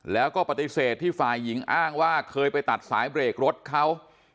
แล้วก็ปฏิเสธที่ฝ่ายหญิงอ้างว่าเคยไปตัดสายเบรกรถเขา